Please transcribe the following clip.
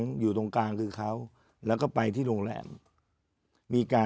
หังอยู่ตรงกลางก็เขาแล้วก็ไปที่โรงแรม